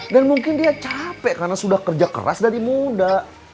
dan mungkin dia capek karena sudah kerja keras dari muda